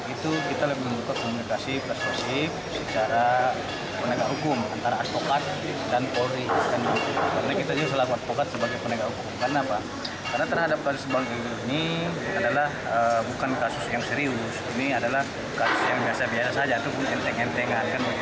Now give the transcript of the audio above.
ini bukan kasus yang serius ini adalah kasus yang biasa biasa saja itu pun enteng enteng